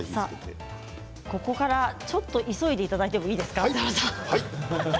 ここから少し急いでいただいてもいいですか。